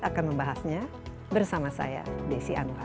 akan membahasnya bersama saya desi anwar